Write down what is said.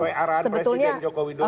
sesuai arahan presiden joko widodo